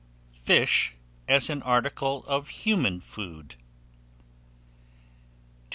FISH AS AN ARTICLE OF HUMAN FOOD. 211.